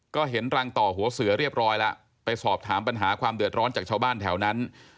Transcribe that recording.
ก็เห็นรังต่อหัวเสือเรียบร้อยแล้วไปสอบถามปัญหาความเดือดร้อนจากชาวบ้านแถวนั้น